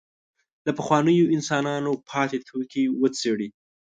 له پخوانیو انسانانو پاتې توکي وڅېړي.